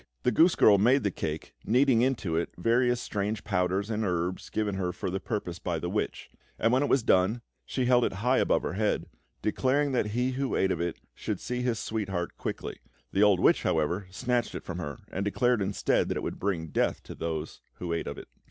The goose girl made the cake, kneading into it various strange powders and herbs given her for the purpose by the witch; and when it was done, she held it high above her head, declaring that he who ate of it should see his sweetheart quickly. The old witch, however, snatched it from her and declared instead that it would bring death to those who ate of it.